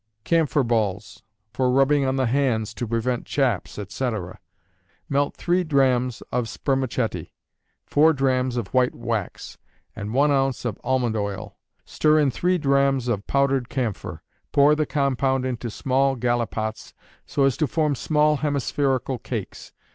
Camphor Balls, for rubbing on the hands, to prevent chaps, etc. Melt three drachms of spermaceti, four drachms of white wax, and one ounce of almond oil; stir in three drachms of powdered camphor. Pour the compound into small gallipots, so as to form small hemispherical cakes.